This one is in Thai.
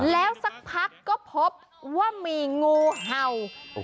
แล้วสักพักก็พบว่ามีงูเห่า